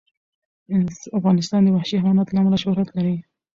افغانستان د وحشي حیواناتو له امله شهرت لري.